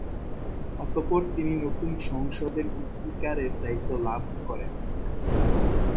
অতঃপর তিনি নতুন সংসদের স্পিকারের দায়িত্ব লাভ করেন।